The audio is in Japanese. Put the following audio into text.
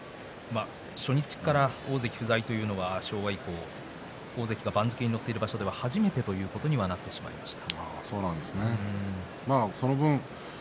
初日から大関不在というのは昭和以降、大関が番付にのっている場所では初めてということになってしまいました。